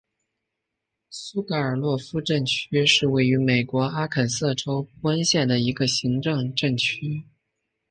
苏格尔洛夫镇区是位于美国阿肯色州布恩县的一个行政镇区。